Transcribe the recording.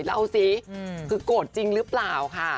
แล้วเอาสิคือกดจริงหรือเปล่าค่ะ